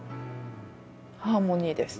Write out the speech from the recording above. ハーモニーです。